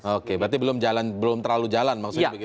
oke berarti belum terlalu jalan maksudnya begitu